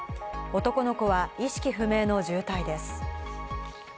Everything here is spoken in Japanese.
男の子は意識不明の重体です。